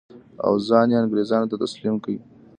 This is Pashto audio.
او ځان یې انګرېزانو ته تسلیم کړ.